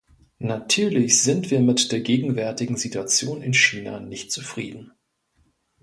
Natürlich sind wir mit der gegenwärtigen Situation in China nicht zufrieden.